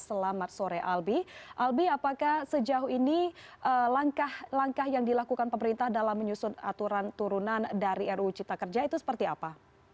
selamat sore albi albi apakah sejauh ini langkah langkah yang dilakukan pemerintah dalam menyusun aturan turunan dari ru cipta kerja itu seperti apa